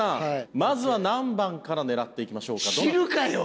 まずは何番から狙っていきましょうか？